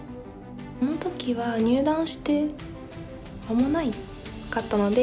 この時は入段して間もなかったので。